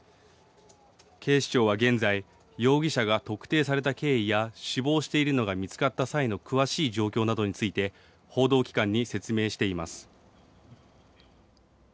警視庁は現在、容疑者が特定された経緯や死亡しているのが見つかった際の詳しい状況などについて報道機関に説明しています。